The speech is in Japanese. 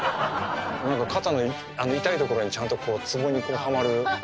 肩の痛いところにちゃんとこうツボにはまる。